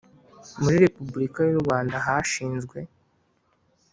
muri Repuburika y u Rwanda hashinzwe